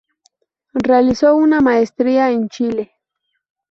Realizó una maestría en Chile.